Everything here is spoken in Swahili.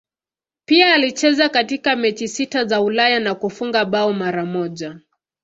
Pia alicheza katika mechi sita za Ulaya na kufunga bao mara moja.